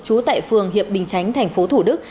trú tại phường hiệp bình chánh tp thủ đức